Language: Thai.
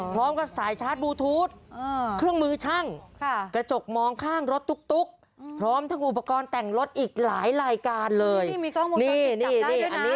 พร้อมกับสายชาร์จบูทูธเครื่องมือช่างกระจกมองข้างรถตุ๊กพร้อมทั้งอุปกรณ์แต่งรถอีกหลายรายการเลยนี่มีกล้องวงจรปิดจับได้อันนี้